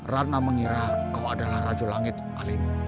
rana mengira kau adalah rasulnya